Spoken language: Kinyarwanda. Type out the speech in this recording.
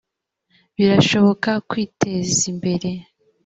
birashoboka kwitezimbere.